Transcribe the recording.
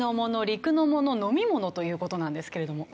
陸のもの飲み物という事なんですけれども。